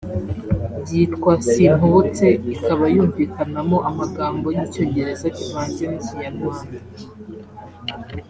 yitwa “Simpubutse” ikaba yumvikanamo amagambo y’icyongereza kivanze n’ikinyarwanda